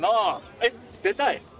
えっ出たい？